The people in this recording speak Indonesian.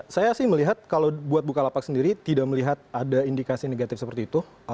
saya sih melihat kalau buat bukalapak sendiri tidak melihat ada indikasi negatif seperti itu